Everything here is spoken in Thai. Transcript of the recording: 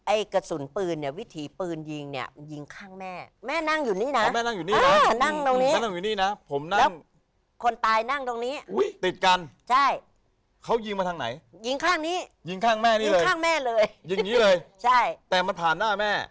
ไอ้กระสุนปืนเนี่ยวิถีปืนยิงเนี่ยมันยิงข้างแม่